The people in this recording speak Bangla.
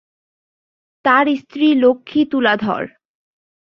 তার স্ত্রী লক্ষ্মী তুলাধর।